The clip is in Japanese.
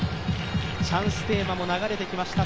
チャンステーマも流れてきました